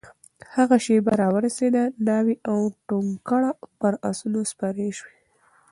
هغه شېبه راورسېده؛ ناوې او ټونګره پر آسونو سپرې شوې